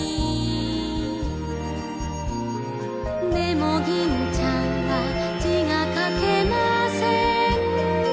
「でも銀ちゃんは字が書けません」